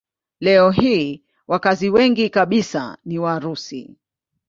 Leo hii wakazi wengi kabisa ni Warusi.